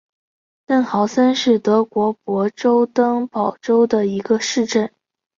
嫩豪森是德国勃兰登堡州的一个市镇。